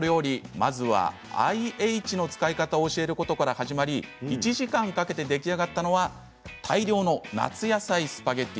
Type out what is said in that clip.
まずはＩＨの使い方を教えることから始まり１時間かけて出来上がったのは大量の夏野菜スパゲッティ。